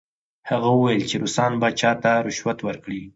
هغه وویل چې روسان به چا ته رشوت ورکړي؟